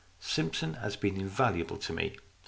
" Simpson has been invaluable to me.